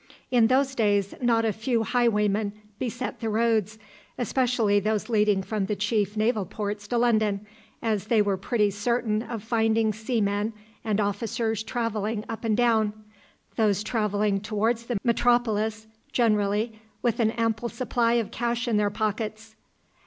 In those days not a few highwaymen beset the roads, especially those leading from the chief naval ports to London, as they were pretty certain of finding seamen and officers travelling up and down those travelling towards the metropolis, generally with an ample supply of cash in their pockets.